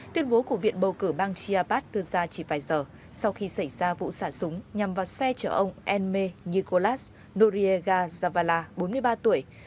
tuyên bố của viện bầu cử bang chiapas đưa ra chỉ vài giờ sau khi xảy ra vụ sả súng nhằm vào xe chở ông enme nicolás noriega zavala bốn mươi ba tuổi